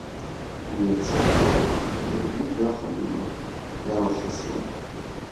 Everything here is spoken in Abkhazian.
Иацы Кәтол ҩажәи жәаха минуҭ иалахысуан.